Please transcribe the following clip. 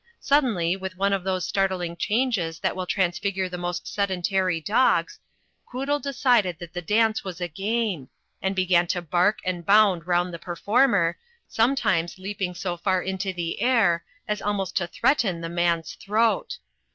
Suddenly, with one of those start ling changes that will transfigure the most sedentary dogs, Quoodle decided that the dance was a game, and began to bark and bound round the performer, some times leaping so far into the air as almost to threaten the man's throat.